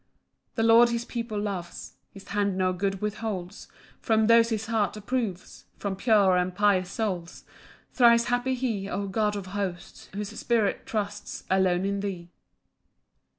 7 The Lord his people loves; His hand no good withholds From those his heart approves, From pure and pious souls: Thrice happy he, O God of hosts, Whose spirit trusts Alone in thee.